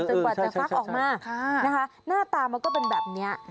กว่าจะฟักออกมานะคะหน้าตามันก็เป็นแบบนี้